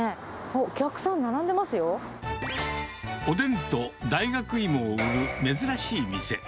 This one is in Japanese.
お客さん、おでんと大学いもを売る珍しい店。